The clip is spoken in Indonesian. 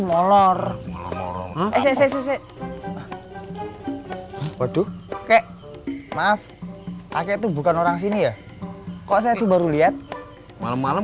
molor molor eh waduh kek maaf kakek tuh bukan orang sini ya kok saya tuh baru lihat malam malam